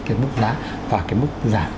cái mức giá và cái mức giảm